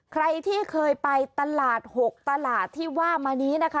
ใครที่เคยไปตลาด๖ตลาดที่ว่ามานี้นะคะ